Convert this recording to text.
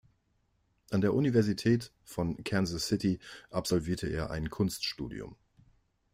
An der Universität von Kansas City absolvierte er ein Kunststudium.